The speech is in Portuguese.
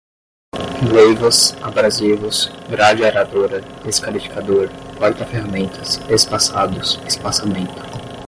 leivas, abrasivos, grade aradora, escarificador, porta-ferramentas, espaçados, espaçamento